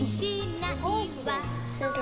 先生